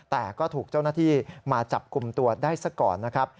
แต่ก็ถูกเจ้าหน้าที่มาจับกลุ่มตัวได้ซะก่อนนะครับ